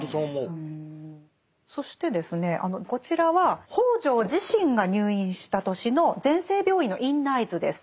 そしてですねこちらは北條自身が入院した年の全生病院の院内図です。